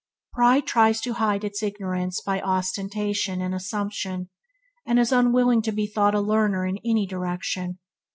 Pride tries to hide its ignorance by ostentation and assumption, and is unwilling to be thought a learner in any direction.